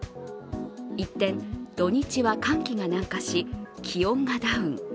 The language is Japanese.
一転、土日は寒気が南下し、気温がダウン。